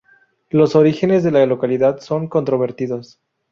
Los orígenes de la localidad son controvertidos.